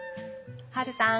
ハルさん